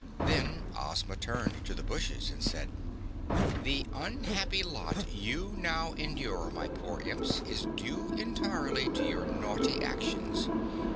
Then Ozma turned to the bushes and said: "The unhappy lot you now endure, my poor Imps, is due entirely to your naughty actions.